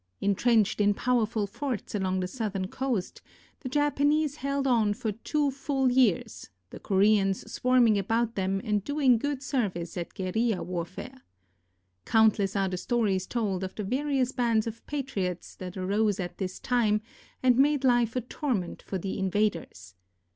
Intrenched in powerful forts along the southern coast, the Japanese held on for two full years, the Koreans swarming about them and doing good service at guerrilla warfare. Countless are the stories told of the various bands of patriots that arose at this time and made life a torment for the invaders.